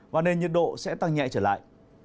và nền nhiệt độ sẽ tăng nhẹ trở lại